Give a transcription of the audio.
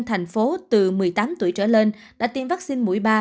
thành phố từ một mươi tám tuổi trở lên đã tiêm vắc xin mũi bệnh